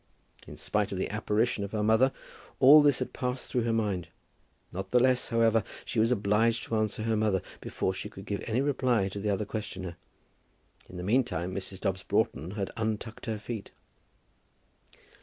In spite of the apparition of her mother, all this had passed through her mind. Not the less, however, was she obliged to answer her mother, before she could give any reply to the other questioner. In the meantime Mrs. Dobbs Broughton had untucked her feet.